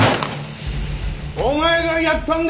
お前がやったんだろ！